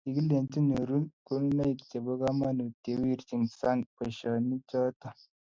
kikilenji nyoru konunoek chebo kamanut ye wirji sang' boisionichoto